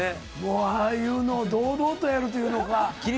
ああいうのを堂々とやるというのが。